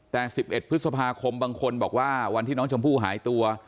แต่๑๑พฤษภาคมบางคนบอกว่าวันที่น้องชมพู่หายตัว